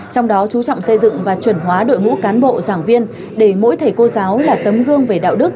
trong đó chú trọng xây dựng và chuẩn hóa đội ngũ cán bộ giảng viên để mỗi thầy cô giáo là tấm gương về đạo đức